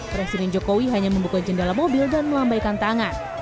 presiden jokowi hanya membuka jendela mobil dan melambaikan tangan